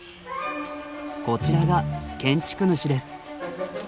こちらが建築主です。